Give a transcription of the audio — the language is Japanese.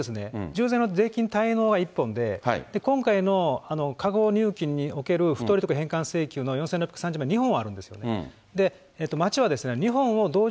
従前の税金滞納は１本で、今回のかごう入金における不当利得返還要請の４６３０万、２本あるんですよね。